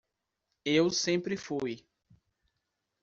Eu sempre fui.